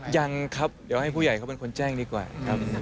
ยังครับเดี๋ยวให้ผู้ใหญ่เขาเป็นคนแจ้งดีกว่าครับ